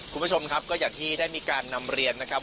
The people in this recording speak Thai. คุณผู้ชมครับก็อย่างที่ได้มีการนำเรียนนะครับ